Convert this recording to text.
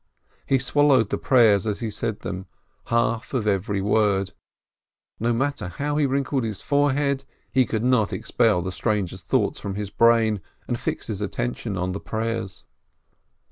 He swallowed the prayers as he said them, half of every word; no matter how he wrinkled his forehead, he could not expel the stranger thoughts from his brain, and fix his attention on the prayers.